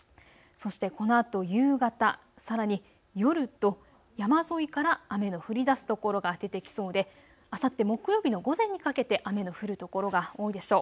そしてこのあと夕方、さらに夜と山沿いから雨の降りだす所が出てきそうで、あさって木曜日の午前にかけて雨の降る所が多いでしょう。